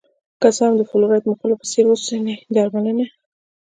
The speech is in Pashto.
که څه هم د فلورایډ موښلو په څېر اوسنۍ درملنه